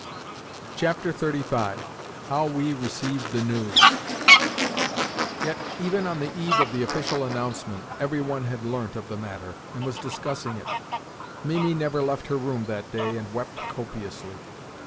XXXV. HOW WE RECEIVED THE NEWS Yet, even on the eve of the official announcement, every one had learnt of the matter, and was discussing it. Mimi never left her room that day, and wept copiously.